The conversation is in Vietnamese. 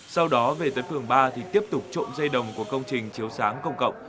sau đó về tới phường ba thì tiếp tục trộm dây đồng của công trình chiếu sáng công cộng